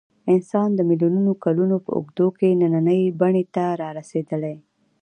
انسان د میلیونونو کلونو په اوږدو کې نننۍ بڼې ته رارسېدلی.